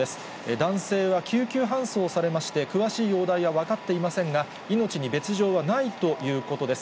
男性は救急搬送されまして、詳しい容体は分かっていませんが、命に別状はないということです。